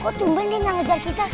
kok tumpen dia gak ngejar kita